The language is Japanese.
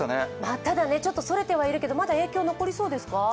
ただ、ちょっと逸れてはいるけれど、まだ影響は残りそうですか？